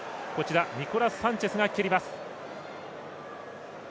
ニコラス・サンチェスが蹴ります。